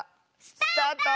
スタート！